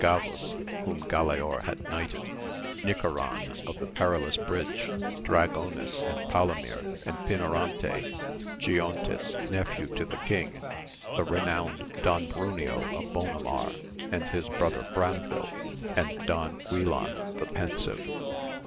Gavus whom Galaor had knighted ; Nicoran, of the Perilous Bridge, Dragonis and Palomir, and Pinorante, Giontes, nephew to the king, the renowned Don Bruneo of Bonamar, and his brother Branfil, and Don Guilan the Pensive.